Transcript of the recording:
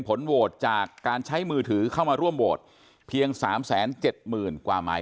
ผลโหวตจากการใช้มือถือเข้ามาร่วมโหวตเพียง๓๗๐๐๐กว่าหมาย